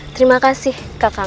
terima kasih kakang